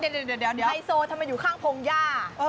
เดี๋ยวไฮโซทำไมอยู่ข้างพงหญ้า